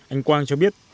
anh quang cho biết